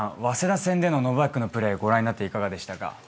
早稲田戦での伸光君のプレーご覧になっていかがでしたか？